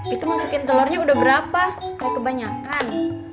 itu masukin telurnya udah berapa kayak kebanyakan